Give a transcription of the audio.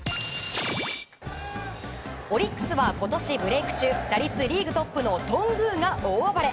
オリックスは今年ブレーク中打率リーグトップの頓宮が大暴れ。